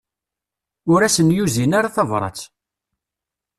Ur asen-yuzin ara tabrat.